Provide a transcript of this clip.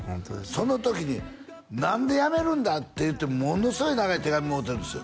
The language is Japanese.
その時に「何でやめるんだ」って言ってものすごい長い手紙もろうてるんですよ